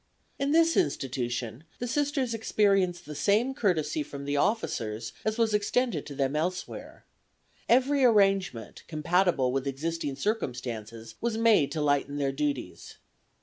In this institution the Sisters experienced the same courtesy from the officers as was extended to them elsewhere. Every arrangement compatible with existing circumstances was made to lighten their duties.